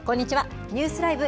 ニュースＬＩＶＥ！